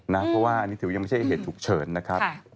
เพราะว่าอันนี้ถือว่ายังไม่ใช่เหตุฉุกเฉินนะครับ